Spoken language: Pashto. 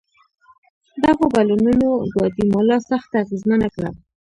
دغو بدلونونو ګواتیمالا سخته اغېزمنه کړه.